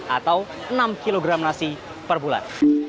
atau enam kg nasi per bulan